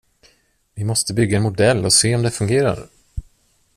Vi måste bygga en modell och se om det fungerar.